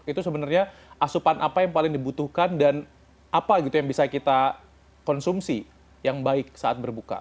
itu sebenarnya asupan apa yang paling dibutuhkan dan apa gitu yang bisa kita konsumsi yang baik saat berbuka